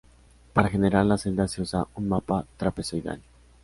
Para generar las celdas se usa un mapa trapezoidal.